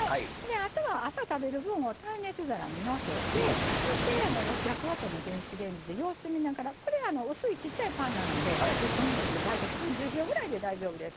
あとは朝食べる分を耐熱皿にのせてそして、６００ワットの電子レンジで様子を見ながら薄いちっちゃいパンなので１個につき大体３０秒くらいで大丈夫です。